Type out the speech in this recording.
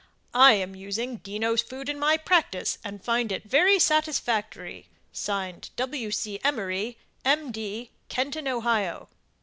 I am using DENNOS FOOD in my practice and find it very satisfactory. (Signed), W. C. Emery, M. D., Kenton, Ohio.